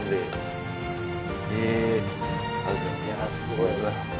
ありがとうございます。